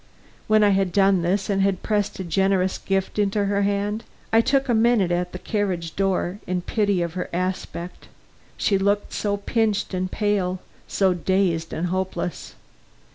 When I had done this and pressed a generous gift into her hand, I stood a minute at the carriage door, in pity of her aspect. She looked so pinched and pale, so dazed and hopeless.